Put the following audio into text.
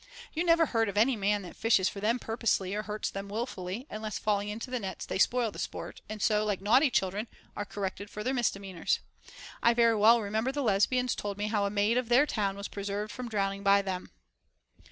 You never heard of any man that fishes for them purposely or hurts them wilfully, unless falling into the nets they spoil the sport, and so, like naughty children, are corrected for their misdemeanors. I very well remember the Lesbians told me how a maid of their town was preserved from drowning by them.